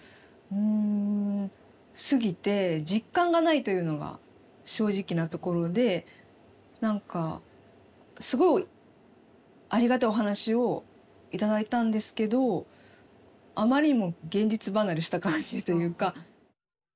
うんすぎて実感がないというのが正直なところで何かすごいありがたいお話を頂いたんですけどあまりにも現実離れした感じというか。